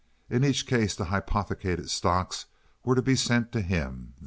In each case the hypothecated stocks were to be sent to him.